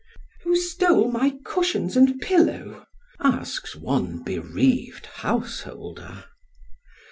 "Who stole my cushions and pillow?" asks one bereaved householder.